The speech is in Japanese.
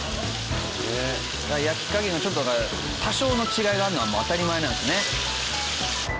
焼き加減がちょっとだから多少の違いがあるのは当たり前なんですね。